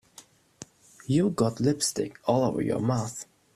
You've got lipstick all over your mouth.